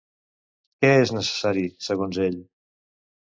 Què és necessari, segons ell?